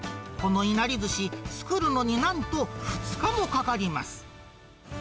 このいなりずし、作るのになんと２日もかかります。